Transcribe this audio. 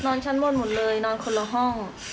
ชั้นบนหมดเลยนอนคนละห้อง